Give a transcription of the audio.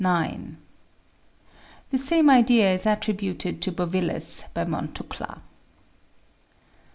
. The same idea is attrib uted to Bovillus, by Montucla.